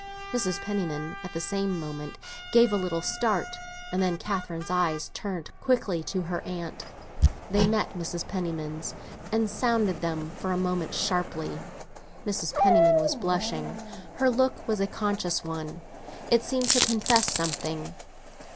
Mrs. Penniman at the same moment gave a little start, and then Catherine's eyes turned quickly to her aunt. They met Mrs. Penniman's and sounded them for a moment, sharply. Mrs. Penniman was blushing; her look was a conscious one; it seemed to confess something.